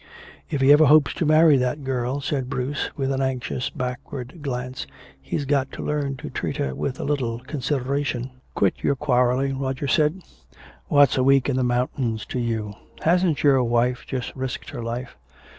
"If he ever hopes to marry that girl," said Bruce, with an anxious backward glance, "he's got to learn to treat her with a little consideration." "Quit your quarreling," Roger said. "What's a week in the mountains to you? Hasn't your wife just risked her life?"